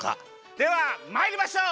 ではまいりましょう！